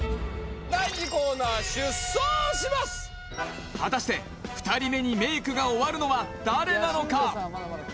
第２コーナー果たして２人目にメイクが終わるのは誰なのか？